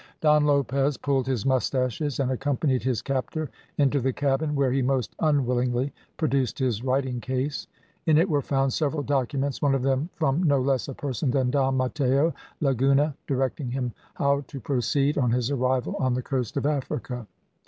Don Lopez pulled his moustaches and accompanied his captor into the cabin, where he most unwillingly produced his writing case. In it were found several documents, one of them from no less a person than Don Matteo Laguna, directing him how to proceed on his arrival on the coast of Africa.